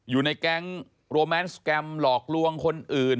อยู่ในแก๊งโรแมนสแกรมหลอกลวงคนอื่น